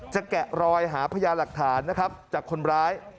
แกะรอยหาพยาหลักฐานนะครับจากคนร้าย